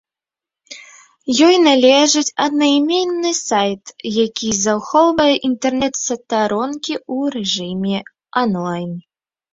Ёй належыць аднайменны сайт, які захоўвае інтэрнэт-старонкі ў рэжыме анлайн.